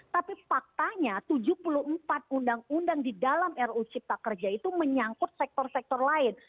tapi faktanya tujuh puluh empat undang undang di dalam ruu cipta kerja itu menyangkut sektor sektor lain